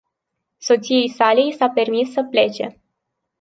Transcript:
Soției sale i s-a permis să plece.